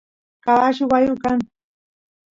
caballu bayu kan